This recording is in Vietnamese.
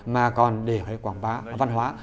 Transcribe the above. mà còn để quảng bá văn hóa